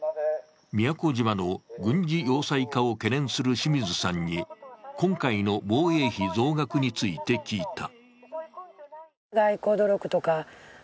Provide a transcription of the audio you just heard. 宮古島の軍事要塞化を懸念する清水さんに、今回の防衛費増額について聞いた。